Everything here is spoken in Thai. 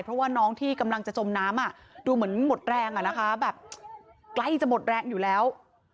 เพราะว่าน้องที่กำลังจะจมน้ำดูเหมือนหมดแรงอะนะคะแบบใกล้จะหมดแรงอยู่แล้ว